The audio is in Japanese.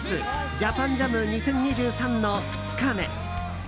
ＪＡＰＡＮＪＡＭ２０２３の２日目。